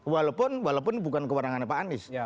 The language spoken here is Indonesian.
walaupun bukan kewenangannya pak anies